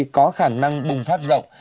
có khả năng bùng phát rộng